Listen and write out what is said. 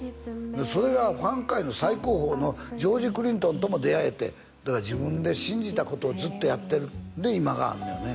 それがファンク界の最高峰のジョージ・クリントンとも出会えてだから自分で信じたことをずっとやってるで今があんのよね